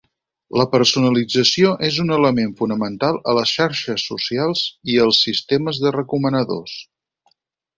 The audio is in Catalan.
La personalització és un element fonamental a les xarxes socials i els sistemes de recomanadors.